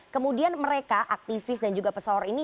kemudian mereka aktivis dan juga pesohor ini